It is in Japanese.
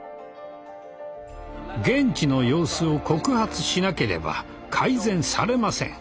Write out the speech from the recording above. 現地の様子を告発しなければ改善されません。